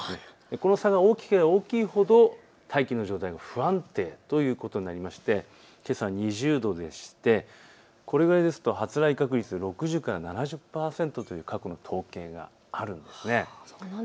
この差が大きければ大きいほど大気の状態が不安定ということになりましてけさ２０度でしてこれぐらいですと発雷確率６０から７０％という過去の統計があるんです。